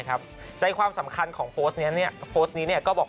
ครับใจความสำคัญของโพสต์เนี่ยเนี่ยโพสต์นี้เนี่ยก็บอก